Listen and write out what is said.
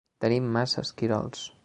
Tenim massa esquirols.